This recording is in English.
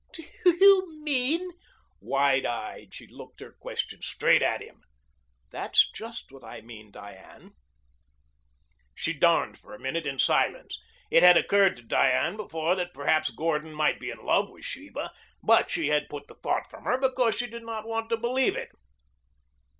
"Do you mean ?" Wide eyed, she looked her question straight at him. "That's just what I mean, Diane." She darned for a minute in silence. It had occurred to Diane before that perhaps Gordon might be in love with Sheba, but she had put the thought from her because she did not want to believe it.